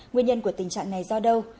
nguyên nhân của tình trạng này do đâu